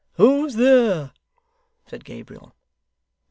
'Who's there?' said Gabriel.